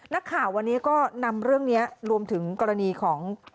นักข่าววันนี้ก็นำเรื่องนี้รวมถึงกรณีของ